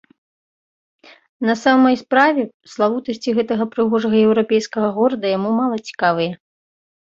На самай справе, славутасці гэтага прыгожага еўрапейскага горада яму мала цікавыя.